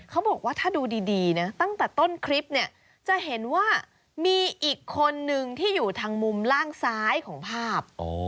เขาบอกว่าถ้าดูดีนะตั้งแต่ต้นคลิปเนี่ยจะเห็นว่ามีอีกคนนึงที่อยู่ทางมุมล่างซ้ายของภาพ